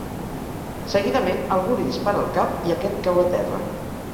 Seguidament algú li dispara al cap i aquest cau a terra.